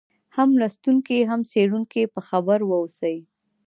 هم لوستونکی هم څېړونکی په خبر واوسي.